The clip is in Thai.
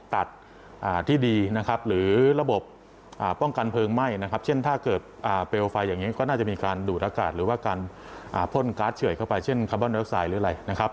เพราะฉะนั้นถ้าเกิดเปลวไฟอย่างนี้ก็น่าจะมีการดูดอากาศหรือว่าการพ่นการ์ดเฉยเข้าไปเช่นคาร์บอนออกไซด์หรืออะไรนะครับ